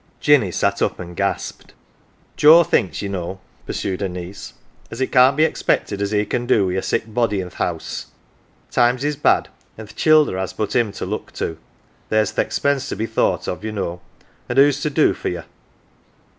Jinny sat up and gasped. "Joe thinks, ye know," pursued her niece, "as it can't lx? expected as he can do wi' a sick body i' th' 'ouse. Times is bad, an" th' childer has but him to look to. There's th' expense to be thought of, ye know, an" 1 who's to do for you